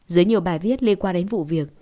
dưới nhiều bài viết liên quan đến vụ việc